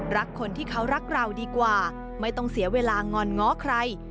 รักคนที่เขารักเราดีกว่าไม่ต้องเสียเวลางอนง้อใคร